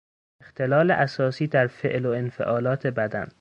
اختلال اساسی در فعل و انفعالات بدن